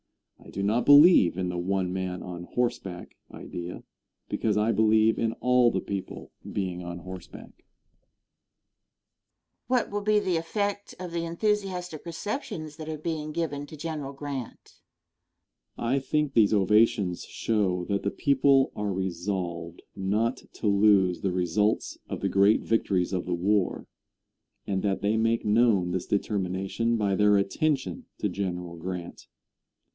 I do not believe in the one man on horseback idea, because I believe in all the people being on horseback. Question. What will be the effect of the enthusiastic receptions that are being given to General Grant? Answer. I think these ovations show that the people are resolved not to lose the results of the great victories of the war, and that they make known this determination by their attention to General Grant.